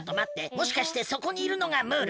もしかしてそこにいるのがムール？